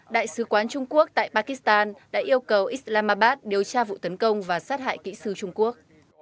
đại sứ quán trung quốc tại pakistan đã yêu cầu islamabad điều tra vụ tấn công và sát hại kỹ sư trung quốc